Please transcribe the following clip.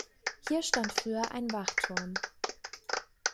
Hier stand früher ein Wachturm.